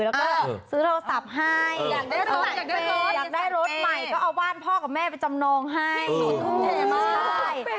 ถึงเขาก็ไปซื้อโทรศัพท์ให้อยากได้รถใหม่ก็เอาว่านพ่อและแม่ไปจำนองให้